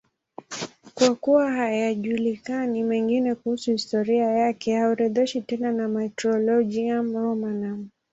Kwa kuwa hayajulikani mengine kuhusu historia yake, haorodheshwi tena na Martyrologium Romanum.